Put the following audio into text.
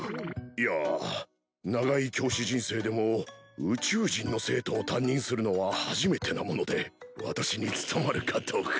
いや長い教師人生でも宇宙人の生徒を担任するのは初めてなもので私に務まるかどうか。